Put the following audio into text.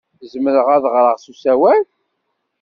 Zemreɣ ad ɣreɣ s usawal?